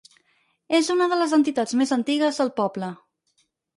És una de les entitats més antigues del poble.